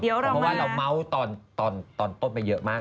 เพราะเราเม้าตอนโต๊ะไปเยอะมาก